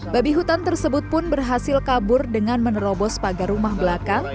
babi hutan tersebut pun berhasil kabur dengan menerobos pagar rumah belakang